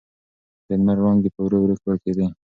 د لمر وړانګې په ورو ورو ورکېدې.